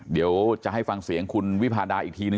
เดี๋ยวจะให้ฟังเสียงคุณวิพาดาอีกทีนึ